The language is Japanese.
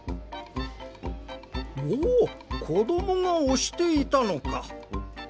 おおこどもがおしていたのか。